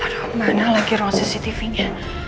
aduh mana lagi ruang cctvnya